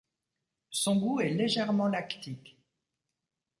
Son goût est légèrement lactique.